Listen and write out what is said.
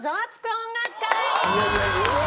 音楽会」